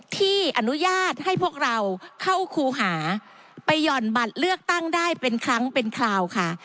ที่อนุญาตให้พวกเราเข้าครูหาไปหย่อนบัตรเลือกตั้งได้เป็นครั้งเป็นคราวค่ะ